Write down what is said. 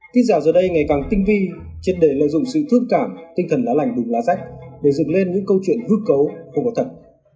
tin giả giờ đây ngày càng tinh vi trên đề lợi dụng sự thương cảm tinh thần lá lành bùng lá rách để dựng lên những câu chuyện hước cấu không có thật